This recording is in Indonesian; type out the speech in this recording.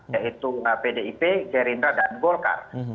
yaitu pdip gerindra dan golkar